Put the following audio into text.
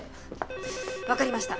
わかりました。